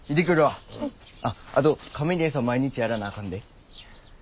あっあとカメに餌毎日やらなあかんで。